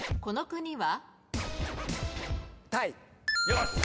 この国は？